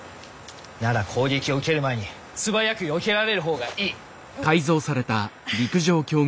なら攻撃を受ける前に素早くよけられるほうがいい。